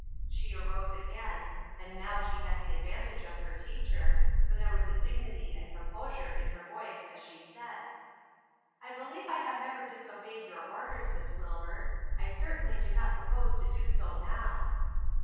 She arose again, and now she had the advantage of her teacher, for there were dignity and composure in her voice as she said: "I believe I have never disobeyed your orders, Miss Wilbur; I certainly do not propose to do so now."